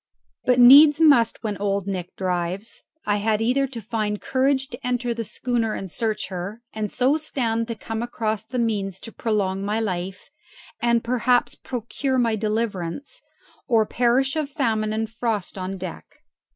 But needs must when Old Nick drives; I had either to find courage to enter the schooner and search her, and so stand to come across the means to prolong my life, and perhaps procure my deliverance, or perish of famine and frost on deck.